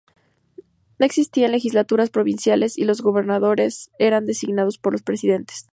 No existían legislaturas provinciales y los gobernadores eran designados por los presidentes.